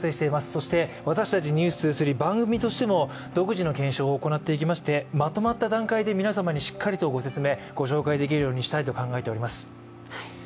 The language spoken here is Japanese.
そして、私たち「ｎｅｗｓ２３」番組としても独自の検証を行っていきましてまとまった段階で皆様にしっかりとご説明ご紹介できるようにしたいと考えております。